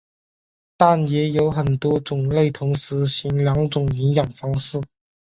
但也有很多种类同时行两种营养方式。